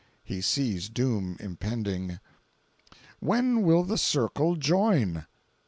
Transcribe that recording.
[He sees doom impending:] WHEN WILL THE CIRCLE JOIN?